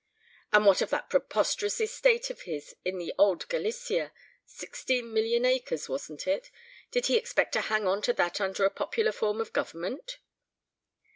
"And what of that preposterous estate of his in the old Galicia sixteen million acres, wasn't it? Did he expect to hang on to that under a popular form of government?"